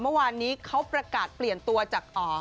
เมื่อวานนี้เขาประกาศเปลี่ยนตัวจาก